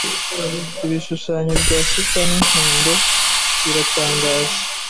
Ibishushanyo bya Super Nintendo biratangaje.